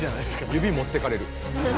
指もってかれる。